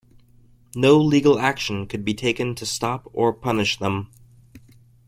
No legal action could be taken to stop or punish them.